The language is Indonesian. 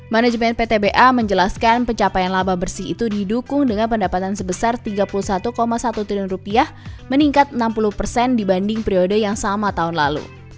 manajemen ptba menjelaskan pencapaian laba bersih itu didukung dengan pendapatan sebesar rp tiga puluh satu satu triliun meningkat enam puluh persen dibanding periode yang sama tahun lalu